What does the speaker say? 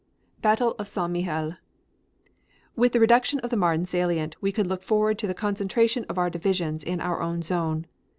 BATTLE OF ST. MIHIEL With the reduction of the Marne salient we could look forward to the concentration of our divisions in our own zone.